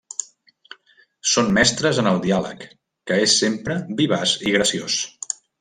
Són mestres en el diàleg, que és sempre vivaç i graciós.